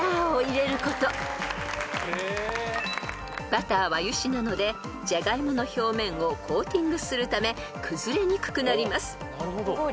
［バターは油脂なのでジャガイモの表面をコーティングするため崩れにくくなります］